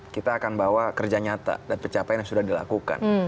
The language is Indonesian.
kita akan bawa kerja nyata dan pencapaian yang sudah dilakukan